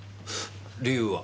理由は？